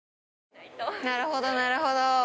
なるほどなるほど。